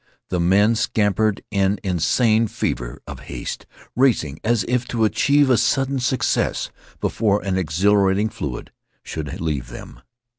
The men scampered in insane fever of haste, racing as if to achieve a sudden success before an exhilarating fluid should leave them.